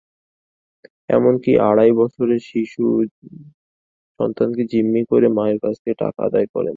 এমনকি আড়াই বছরের শিশুসন্তানকে জিম্মি করে মায়ের কাছ থেকে টাকা আদায় করেন।